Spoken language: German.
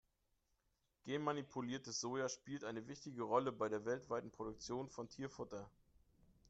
Genmanipuliertes Soja spielt eine wichtige Rolle bei der weltweiten Produktion von Tierfutter.